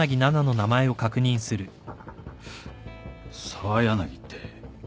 澤柳って。